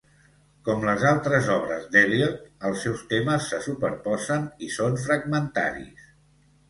Com les altres obres d'Eliot, els seus temes se superposen i són fragmentaris.